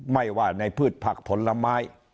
ไม่ว่าในพืชผักผลไม้